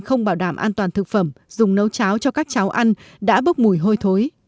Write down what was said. không bảo đảm an toàn thực phẩm dùng nấu cháo cho các cháu ăn đã bốc mùi hôi thối